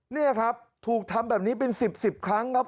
นี่ครับถูกทำแบบนี้เป็น๑๐๑๐ครั้งครับ